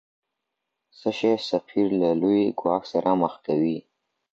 څه شی سفیر له لوی ګواښ سره مخ کوي؟